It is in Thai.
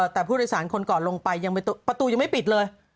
แต่ผู้โดยสารคนก่อนลงไปยังประตูยังไม่ปิดเลย